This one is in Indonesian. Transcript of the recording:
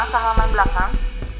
ke halaman belakang